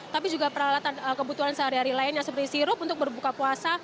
tapi juga peralatan kebutuhan sehari hari lainnya seperti sirup untuk berbuka puasa